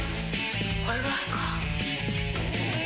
これぐらいか。